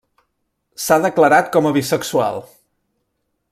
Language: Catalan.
S'ha declarat com a bisexual.